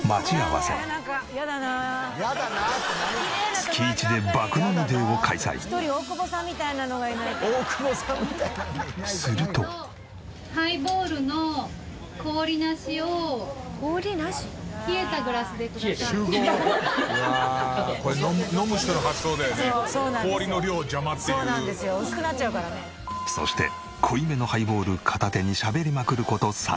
そして濃いめのハイボール片手にしゃべりまくる事３時間。